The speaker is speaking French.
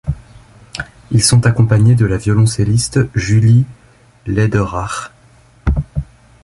Ils sont accompagnés de la violoncelliste Julie Läderach.